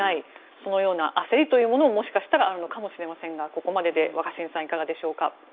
そのような焦りというのももしかしたらあるかもしれませんがここまでで若新さんいかがでしょうか。